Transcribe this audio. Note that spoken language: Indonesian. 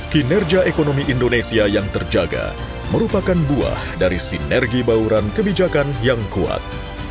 kinerja ekonomi indonesia yang terjaga merupakan buah dari sinergi bauran kebijakan yang kuat